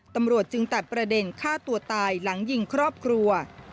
ตำรวจจึงตัดประเด็นฆ่าตัวตายหลังยิงครอบครัว